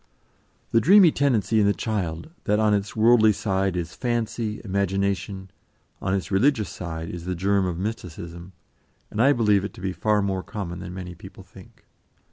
The dreamy tendency in the child, that on its worldly side is fancy, imagination, on its religious side is the germ of mysticism, and I believe it to be far more common than many people think.